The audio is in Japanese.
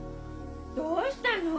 どうしたの？